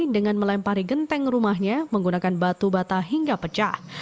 dengan melempari genteng rumahnya menggunakan batu bata hingga pecah